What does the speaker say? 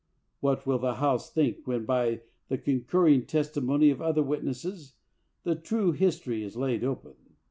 What will the House think when, by the concurring testimony of other witnesses, the true history is laid open